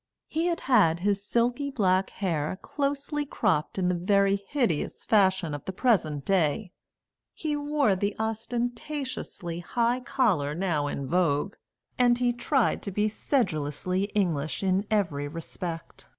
He had had his silky black hair closely cropped in the very hideous fashion of the present day; he wore the ostentatiously high collar now in vogue; and he tried to be sedulously English in every respect.